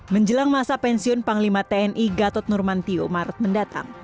menjelang masa pensiun panglima tni gatot nurmantio maret mendatang